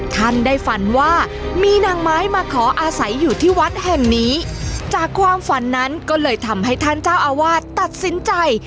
ท่านได้ฝันว่ามีนางไม้มาขออาศัยอยู่ที่วัดแห่งนี้จากความฝันนั้นก็เลยทำให้ท่านเจ้าอาวาสตัดสินใจ